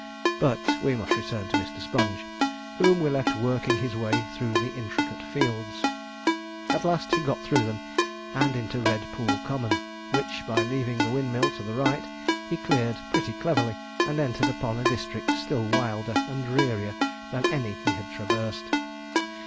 But we must return to Mr. Sponge, whom we left working his way through the intricate fields. At last he got through them, and into Red Pool Common, which, by leaving the windmill to the right, he cleared pretty cleverly, and entered upon a district still wilder and drearier than any he had traversed.